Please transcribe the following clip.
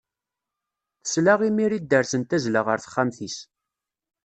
Tesla imir i dderz n tazla ɣer texxamt-is.